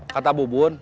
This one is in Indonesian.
kata bu bun